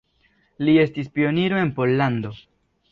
Li estis pioniro en Pollando.